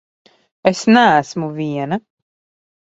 Es neesmu viena!